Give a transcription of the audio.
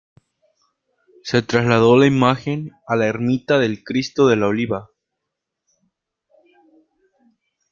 Se trasladó la imagen a la ermita del Cristo de la Oliva.